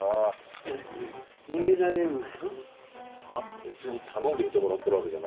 別に頼んでいてもらってるわけじゃないし。